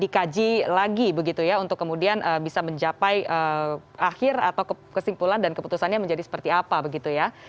dikaji lagi begitu ya untuk kemudian bisa mencapai akhir atau kesimpulan dan keputusannya menjadi seperti apa begitu ya